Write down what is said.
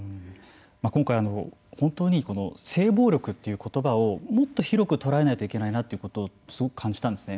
今回本当に性暴力ということばをもっと広く捉えないといけないなということを感じたんですね。